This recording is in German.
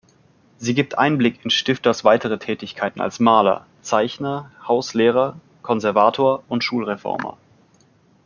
Sie gibt Einblick in Stifters weitere Tätigkeiten als Maler, Zeichner, Hauslehrer, Konservator und Schulreformer.